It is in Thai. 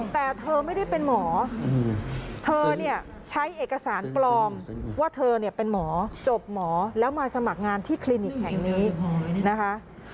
แต่เธอไม่ได้เป็นหมอเธอเนี่ยใช้เอกสารปลอมว่าเธอเนี่ยเป็นหมอจบหมอแล้วมาสมัครงานที่คลินิกแห่งนี้นะคะ